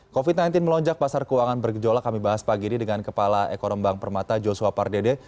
covid sembilan belas melonjak pasar keuangan bergejolak kami bahas pagi ini dengan kepala ekonomi bank permata joshua pardede